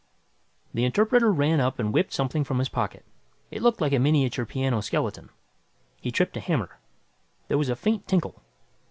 The interpreter ran up and whipped something from his pocket. It looked like a miniature piano skeleton. He tripped a hammer. There was a faint tinkle.